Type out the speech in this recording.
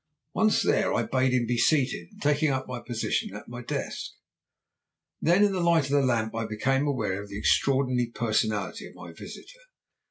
Once there I bade him be seated, taking up my position at my desk. "Then, in the light of the lamp, I became aware of the extraordinary personality of my visitor.